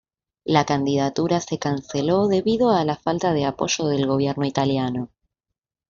La candidatura se canceló debido a la falta de apoyo del gobierno italiano.